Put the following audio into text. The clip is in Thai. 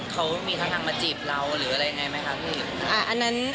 เขามีท่าทางมาจีบเราหรืออะไรยังไงไหมคะพี่